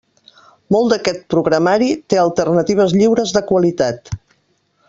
Molt d'aquest programari té alternatives lliures de qualitat.